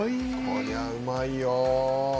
こりゃうまいよ。